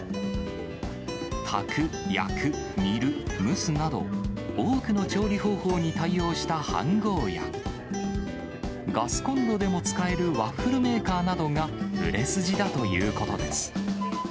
炊く、焼く、煮る、蒸すなど、多くの調理方法に対応した飯ごうや、ガスコンロでも使えるワッフルメーカーなどが売れ筋だということです。